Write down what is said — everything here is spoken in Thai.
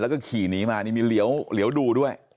แล้วก็ขี่หนีมานี่มีเหลียวดูด้วย